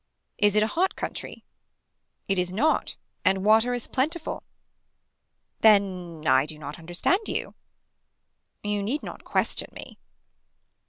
Is it a hot country. It is not and water is plentiful. Then I do not understand you. You need not question me.